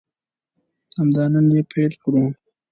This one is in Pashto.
همدا نن یې پیل کړو.